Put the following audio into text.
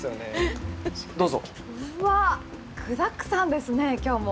うわっ、具だくさんですね今日も。